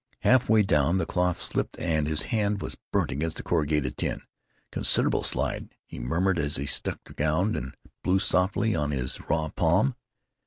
Half way down, the cloth slipped and his hand was burnt against the corrugated tin. "Consid'able slide," he murmured as he struck the ground and blew softly on his raw palm.